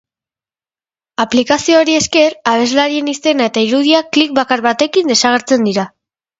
Aplikazioari esker, abeslariaren izena eta irudiak klik bakar batekin desagertzen dira.